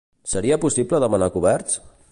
Seria possible demanar coberts?